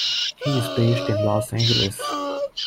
He is based in Los Angeles.